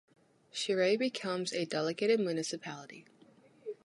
Cherré becomes a delegated municipality.